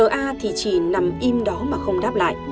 a thì chỉ nằm im đó mà không đáp lại